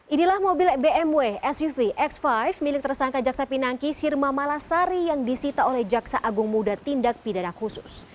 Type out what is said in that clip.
inilah mobil bmw suv x lima milik tersangka jaksa pinangki sirma malasari yang disita oleh jaksa agung muda tindak pidana khusus